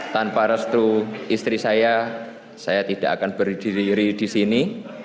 tanpa restu istri saya saya tidak akan berdiri di sini